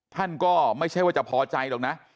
ท่านก็ไม่ใช่ว่าจะพอใจหรอกนะ